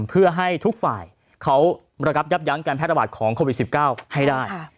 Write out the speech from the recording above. เพื่อให้ทุกฝ่ายเขาระงับยับยั้งการแพร่ระบาดของโควิด๑๙ให้ได้